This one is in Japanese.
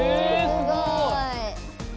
すごい！